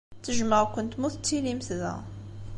Ttejjmeɣ-kent mi ur tettilimt da.